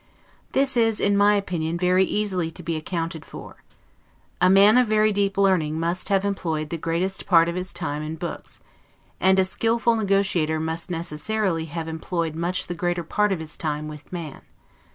This is, in my opinion, very easily to be accounted for. A man of very deep learning must have employed the greatest part of his time in books; and a skillful negotiator must necessarily have employed much the greater part of his time with man.